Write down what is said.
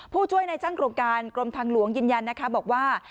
ผู้ช่วยในช่างโครงการกรมทางหลวงยืนยันนะคะบอกว่า